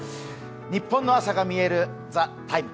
ニッポンの朝がみえる「ＴＨＥＴＩＭＥ，」